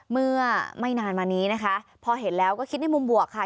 เมื่อไม่นานมานี้นะคะพอเห็นแล้วก็คิดในมุมบวกค่ะ